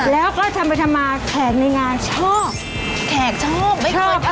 แล้วก็ทำไปทำมาแขกในงานชอบ